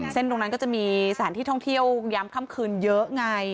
ตรงนั้นก็จะมีสถานที่ท่องเที่ยวย้ำค่ำคืนเยอะไง